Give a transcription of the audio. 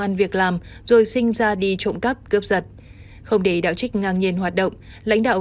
an việc làm rồi sinh ra đi trộm cắp cướp giật không để đạo trích ngang nhiên hoạt động lãnh đạo